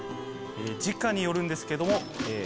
時価によるんですけども。